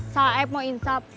saeb mau insap